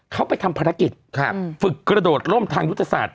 เขาไปทำภารกิจฝึกกระโดดล่มทางยุทธศาสต